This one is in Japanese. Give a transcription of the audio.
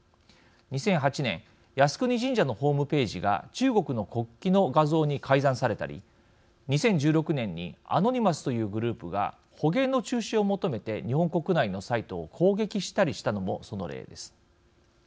２００８年靖国神社のホームページが中国の国旗の画像に改ざんされたり２０１６年にアノニマスというグループが捕鯨の中止を求めて日本国内のサイトを攻撃したりしたのも、その例です。